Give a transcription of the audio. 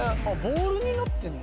ボールになってる？